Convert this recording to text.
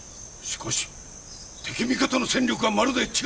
しかし敵味方の戦力がまるで違っては。